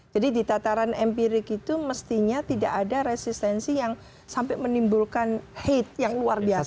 jadi di tataran empirik itu mestinya tidak ada resistensi yang sampai menimbulkan hate yang luar biasa